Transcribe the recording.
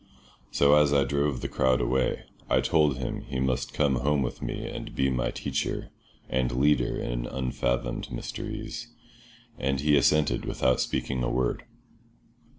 So as I drove the crowd away I told him he must come home with me and be my teacher and leader in unfathomed mysteries, and he assented without speaking a word.